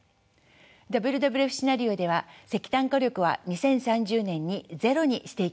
ＷＷＦシナリオでは石炭火力は２０３０年にゼロにしていきます。